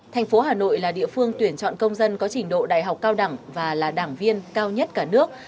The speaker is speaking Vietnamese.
thành phố hà nội là địa phương tuyển chọn công dân có trình độ đại học cao đẳng và là đảng viên cao nhất cả nước